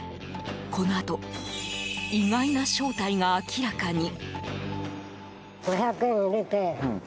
このあと意外な正体が明らかに。